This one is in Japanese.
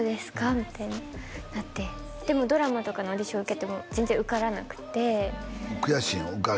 みたいになってでもドラマとかのオーディション受けても全然受からなくて悔しいんやろ受かれ